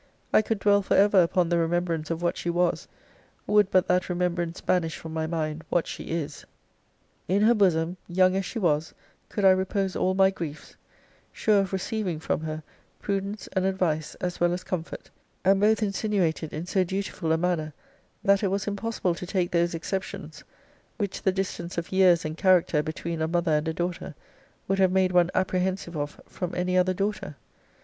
I could dwell for ever upon the remembrance of what she was, would but that remembrance banish from my mind what she is! In her bosom, young as she was, could I repose all my griefs sure of receiving from her prudence and advice as well as comfort; and both insinuated in so dutiful a manner, that it was impossible to take those exceptions which the distance of years and character between a mother and a daughter would have made one apprehensive of from any other daughter.